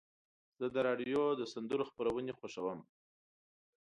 زه د راډیو د سندرو خپرونې خوښوم.